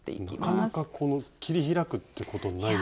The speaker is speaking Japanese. なかなかこの切り開くってことないですよね。